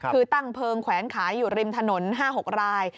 คือตั้งเพลิงแขวนขายอยู่ริมถนน๕๖ราย